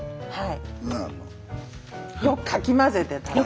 はい。